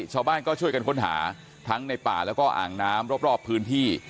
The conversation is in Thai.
ชาวบ้านก็ช่วยกันค้นหาทั้งในป่าแล้วก็อ่างน้ำรอบพื้นที่